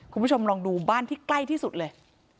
คุณผู้ชมลองดูบ้านที่ใกล้ที่สุดเลย